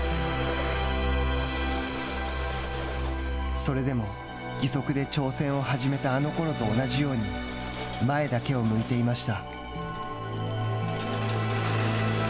それでも義足で挑戦を始めたあのころと同じように前だけを向いていました。